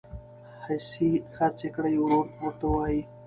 حصي خرڅي کړي ورور ورته وایي